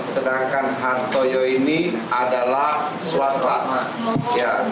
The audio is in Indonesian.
sedangkan hartoyo ini adalah swasta